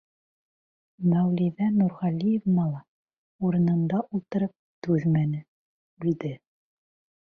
Мәүлиҙә Нурғәлиевна ла урынында ултырып түҙмәне. үлде.